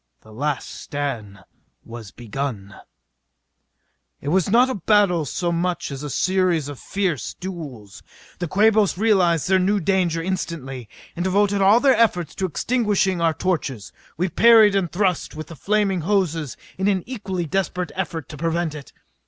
The last stand was begun. It was not a battle so much as a series of fierce duels. The Quabos realized their new danger instantly, and devoted all their efforts to extinguishing our torches. We parried and thrust with the flaming hoses in an equally desperate effort to prevent it.